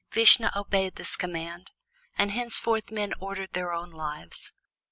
Vishnu obeyed this command, and henceforward men ordered their own lives.